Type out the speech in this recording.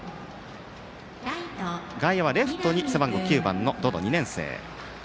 外野はレフトに背番号９番、百々２年生。